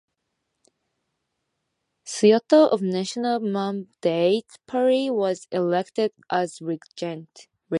Suyoto of National Mandate Party was elected as regent.